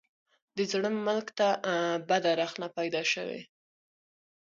د زړه ملک ته بده رخنه پیدا شي.